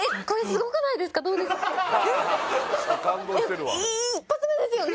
これすごくないですかどうです？